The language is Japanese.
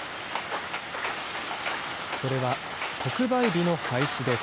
それは特売日の廃止です。